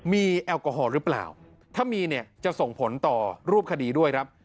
มีแอลกอฮอลหรือเปล่าถ้ามีเนี่ยจะส่งผลต่อรูปคดีด้วยครับ